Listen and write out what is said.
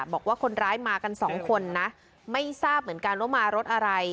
บอกว่าคนร้ายมากันสองคนนะไม่ทราบเหมือนกันว่ามารถอะไร